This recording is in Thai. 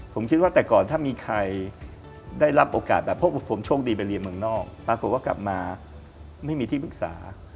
ผมคิดว่าแต่ก่อนถ้ามีใครได้รับโอกาสแบบพวกผมโชคดีไปเรียนเมืองนอกปรากฏว่ากลับมาไม่มีที่ปรึกษา